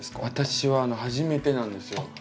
私は初めてなんですよ。